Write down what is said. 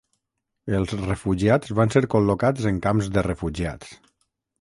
Els refugiats van ser col·locats en camps de refugiats.